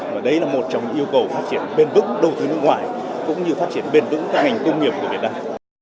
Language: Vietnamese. và đấy là một trong những yêu cầu phát triển bền bức đầu tư nước ngoài cũng như phát triển bền vững các ngành công nghiệp của việt nam